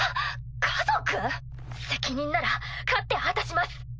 責任なら勝って果たします。